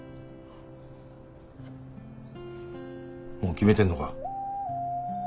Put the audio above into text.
もう決めてんのか。